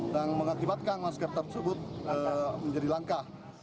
dan mengakibatkan masker tersebut menjualnya